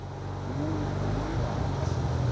思いはあります。